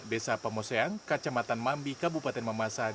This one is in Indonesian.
desa pemoseang kacamatan mambi kabupaten mamasah